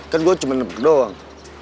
kan gue cuma nepet doang